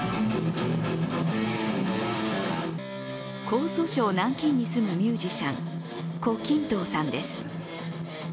江蘇省南京に住むミュージシャン、胡金トウさんです。